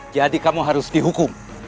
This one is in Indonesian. jadi kamu harus dihukum